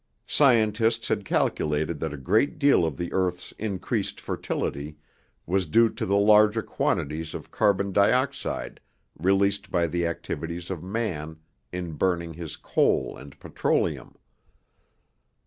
Scientists had calculated that a great deal of the earth's increased fertility was due to the larger quantities of carbon dioxide released by the activities of man in burning his coal and petroleum.